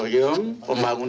pembangunan dan perhubungan